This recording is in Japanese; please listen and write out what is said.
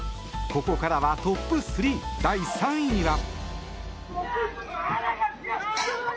ここからはトップ３第３位は。